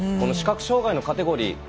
視覚障がいのカテゴリー